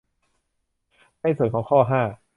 ในส่วนของข้อ ห้า